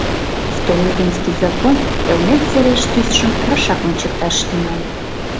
Столыпинский закон Элнет сереш тӱсшым рашак ончыкташ тӱҥале.